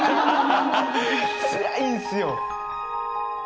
つらいんですよ。